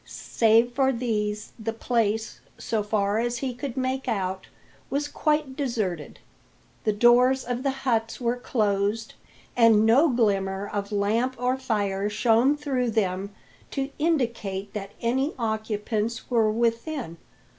Save for these the place, so far as he could make out, was quite deserted. The doors of the huts were closed, and no glimmer of lamp or fire shone through them to indicate that any occupants were within.